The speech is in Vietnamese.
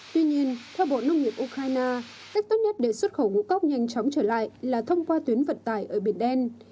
tuy nhiên theo bộ nông nghiệp ukraine cách tốt nhất để xuất khẩu ngũ cốc nhanh chóng trở lại là thông qua tuyến vận tải ở biển đen